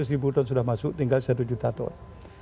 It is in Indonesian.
lima ratus ribu ton sudah masuk tinggal satu juta ton